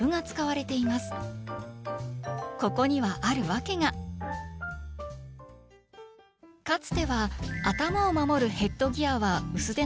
ここにはある訳がかつては頭を守るヘッドギアは薄手の革製でした。